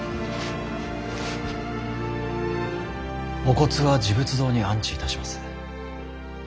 お骨は持仏堂に安置いたします。